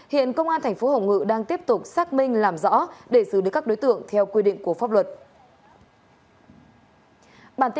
hiện công an thành phố hồng ngự đang tiếp tục xác minh làm rõ để xử lý các đối tượng theo quy định của pháp luật